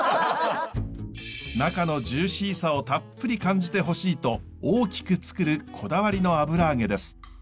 中のジューシーさをたっぷり感じてほしいと大きく作るこだわりの油揚げです。